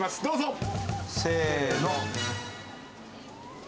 どうぞ。